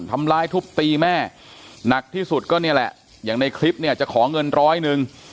ทำร้ายทุบตีแม่หนักที่สุดก็เนี่ยแหละอย่างในคลิปเนี่ยจะขอเงินร้อยหนึ่ง